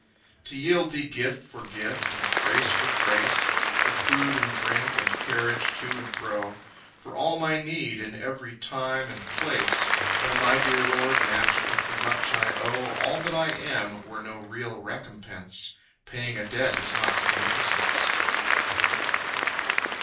To yield thee gift for gift and grace for grace, For food and drink and carriage to and fro, For all my need in every time and place, O my dear lord, matched with the much I owe, All that I am were no real recompense: Paying a debt is not munificence.